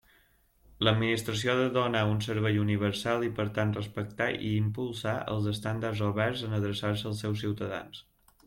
L'administració ha de donar un servei universal i, per tant, respectar i impulsar els estàndards oberts en adreçar-se als seus ciutadans.